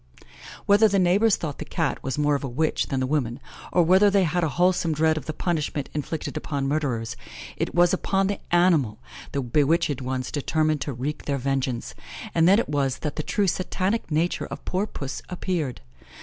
Whether the neighbours thought the Cat was more of a witch than the woman, or whether they had a wholesome dread of the punishment inflicted upon murderers, it was upon the animal the bewitched ones determined to wreak their vengeance, and then it was that the true satanic nature of poor Puss appeared.